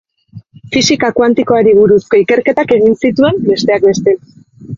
Fisika kuantikoari buruzko ikerketak egin zituen, besteak beste.